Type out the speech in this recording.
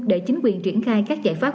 để chính quyền triển khai các giải pháp